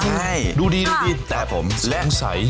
ใช่ดูดีแต่ผมสงสัย